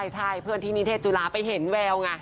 ใช่เพื่อนที่นิเทศจุฬาไปเห็นแววไง